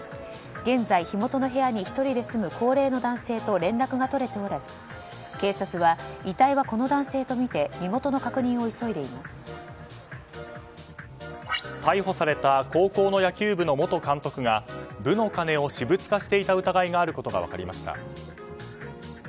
現在、火元の部屋に１人で住む高齢の男性と連絡が取れておらず警察は遺体はこの男性とみて逮捕された高校の野球部の元監督が部の金を私物化していた疑いがあることが分かりました。